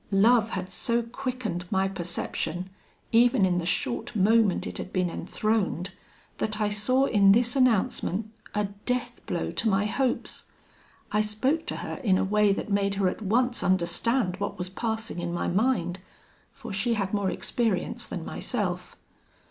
Love had so quickened my perception, even in the short moment it had been enthroned, that I saw in this announcement a death blow to my hopes. I spoke to her in a way that made her at once understand what was passing in my mind; for she had more experience than myself.